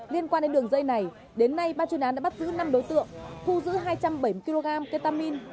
liên quan đến đường dây này đến nay ban chuyên án đã bắt giữ năm đối tượng thu giữ hai trăm bảy mươi kg ketamin